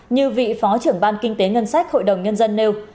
như vị phó trưởng ban kinh tế ngân sách hội đồng nhân dân nêu